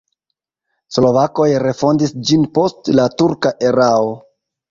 Slovakoj refondis ĝin post la turka erao.